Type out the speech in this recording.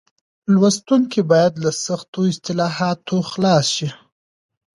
لوستونکي بايد له سختو اصطلاحاتو خلاص شي.